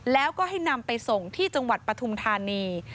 แล้วก็ให้นำไปส่งที่จังหวัดปฐุมธานี